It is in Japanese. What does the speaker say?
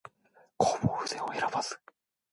弘法筆を選ばず